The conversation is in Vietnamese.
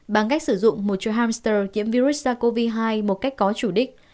bằng cách sử dụng một chuỗi hamster kiểm virus sars cov hai một cách có chủ đích